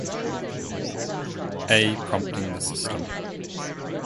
"A" prompting the system.